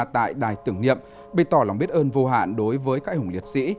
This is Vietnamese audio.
tại đài tưởng niệm bày tỏ lòng biết ơn vô hạn đối với các hùng liệt sĩ